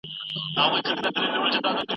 ستا په غاړه کي